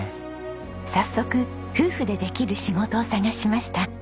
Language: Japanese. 早速夫婦でできる仕事を探しました。